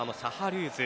ルーズ